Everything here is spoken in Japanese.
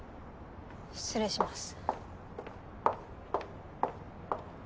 失礼します。